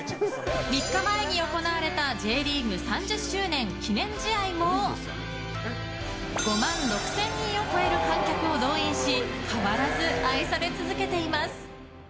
３日前に行われたＪリーグ３０周年記念試合も５万６０００人を超える観客を動員し変わらず愛され続けています。